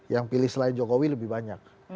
yang pilih selain jokowi lebih banyak